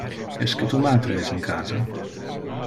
Esque tu matre es in casa?